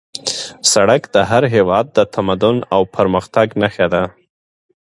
سړک د هر هېواد د تمدن او پرمختګ نښه ده